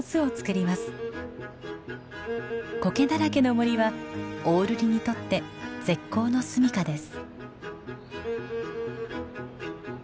コケだらけの森はオオルリにとって絶好の住みかです。